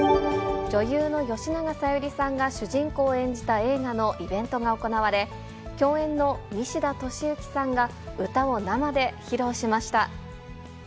女優の吉永小百合さんが主人公を演じた映画のイベントが行われ、共演の西田敏行さんが歌を生で披露しました。